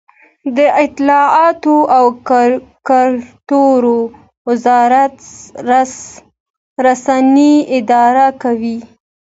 د اطلاعاتو او کلتور وزارت رسنۍ اداره کوي